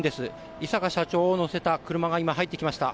井阪社長を乗せた車が今、入ってきました。